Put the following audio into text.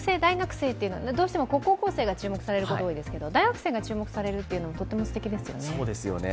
どうしても高校生が注目されることが多いですが大学生が注目されるというのはとてもすてきですよね。